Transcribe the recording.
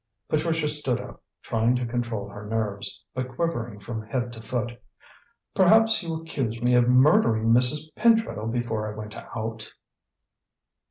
Patricia stood up, trying to control her nerves, but quivering from head to foot. "Perhaps you accuse me of murdering Mrs. Pentreddle before I went out?"